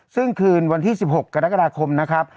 ซึ่งคืนวันที่๑๖กรกฎาคมนะครับ